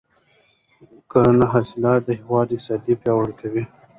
کرنیز حاصلات د هېواد اقتصاد پیاوړی کوي.